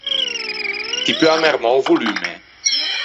Ti peu ammermâ o volumme?